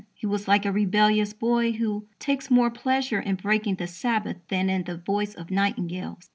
He was like a rebellious boy who takes more pleasure in breaking the Sabbath than in the voice of nightingales.